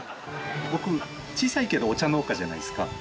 僕小さいけどお茶農家じゃないですか。